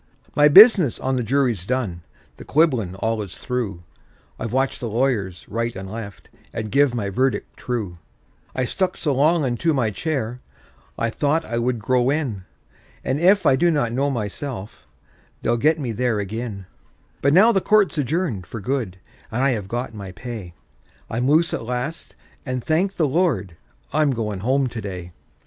My business on the jury's done—the quibblin' all is through— I've watched the lawyers right and left, and give my verdict true; I stuck so long unto my chair, I thought I would grow in; And if I do not know myself, they'll get me there ag'in; But now the court's adjourned for good, and I have got my pay; I'm loose at last, and thank the Lord, I'm going home to day.